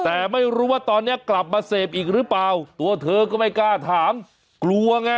แต่ไม่รู้ว่าตอนนี้กลับมาเสพอีกหรือเปล่าตัวเธอก็ไม่กล้าถามกลัวไง